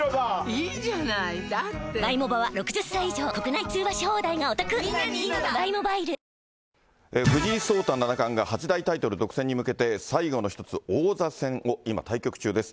いいじゃないだって藤井聡太七冠が八大タイトル独占に向けて、最後の１つ、王座戦を今、対局中です。